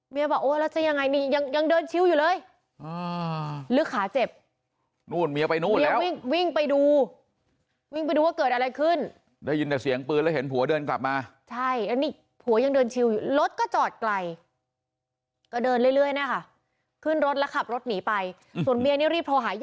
เมียบอกแล้วจะยังไงยังเดินชิวอยู่เลย